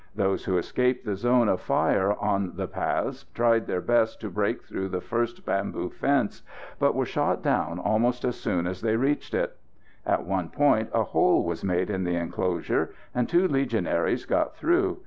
Those who escaped the zone of fire on the paths tried their best to break through the first bamboo fence, but were shot down almost as soon as they reached it. At one point a hole was made in the enclosure, and two Legionaries got through.